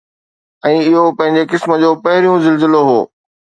۽ اهو پنهنجي قسم جو پهريون زلزلو هو